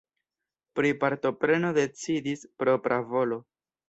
Pri partopreno decidis propra volo.